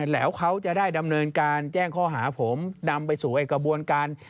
แล้วเขาจะได้ดำเนินการแจ้งข้อหาผมนำไปสู่ไอ้กระบวนการ